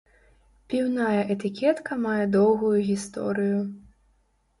Піўная этыкетка мае доўгую гісторыю.